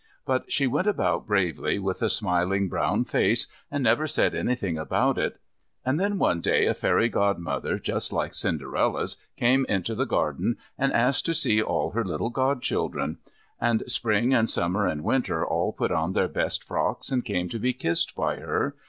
But she went about bravely, with a smiling brown face, and never said anything about it. And then one day a fairy Godmother, just like Cinderella's, came into the garden, and asked to see all her little Godchildren. And Spring and Summer and Winter all put on their best frocks and came to be kissed by her.